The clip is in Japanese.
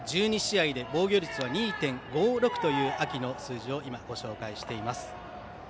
１２試合で防御率は２．５６という秋の数字をご紹介しています。